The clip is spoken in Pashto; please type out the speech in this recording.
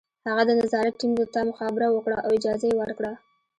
هغه د نظارت ټیم ته مخابره وکړه او اجازه یې ورکړه